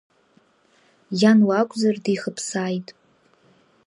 Иан лакәзар дихыԥсааит.